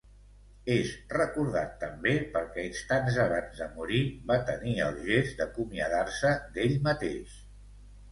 És recordat també perquè instants abans de morir va tenir el gest d'acomiadar-se d'ell mateix.